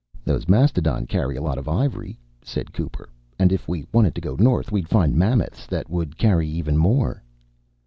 "Those mastodon carry a lot of ivory," said Cooper. "And if we wanted to go north, we'd find mammoths that would carry even more...."